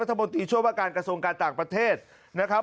รัฐมนตรีช่วยว่าการกระทรวงการต่างประเทศนะครับ